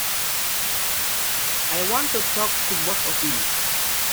I want to talk to both of you.